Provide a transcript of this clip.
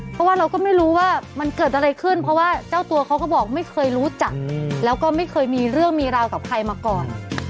เพราะว่าเราก็ไม่รู้ว่ามันเกิดอะไรขึ้นเพราะว่าเจ้าตัวเขาก็บอกไม่เคยรู้จักแล้วก็ไม่เคยมีเรื่องมีราวกับใครมาก่อน